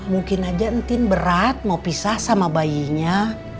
mungkin aja entin berat mau pisah sama bayinya